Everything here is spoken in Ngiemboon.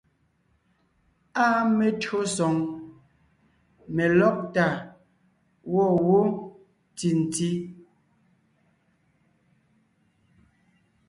Áa metÿǒsoŋ , melɔ́gtà gwɔ̂ wó ntì ntí.